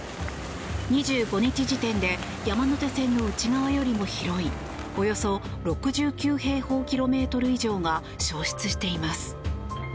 ２５日時点で山手線の内側よりも広いおよそ６９平方キロメートル以上が焼失しています。